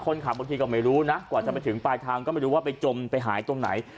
บางทีก็ไม่รู้นะกว่าจะไปถึงปลายทางก็ไม่รู้ว่าไปจมไปหายตรงไหน